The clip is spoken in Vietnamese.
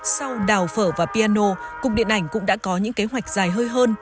sau đào phở và piano cục điện ảnh cũng đã có những kế hoạch dài hơi hơn